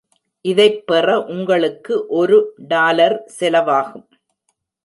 இதைப் பெற உங்களுக்கு ஒரு டாலர் செலவாகும்.